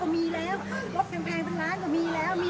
ก็มีให้ได้รู้ว่าเออนี่มีหมดแล้วนะ